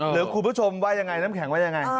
หรือคุณผู้ชมว่ายังไงน้ำแข็งว่ายังไง